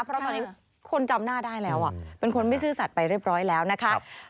เพราะตอนนี้คนจำหน้าได้แล้วเป็นคนไม่ซื่อสัตว์ไปเรียบร้อยแล้วนะคะ